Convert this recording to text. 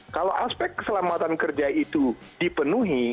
kalau aspek keselamatan kerja itu dipenuhi